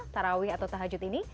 tarawih atau tahajud ini